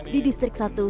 di distrik satu